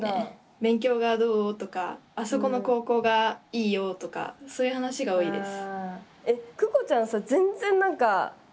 勉強がどう？とかあそこの高校がいいよとかそういう話が多いです。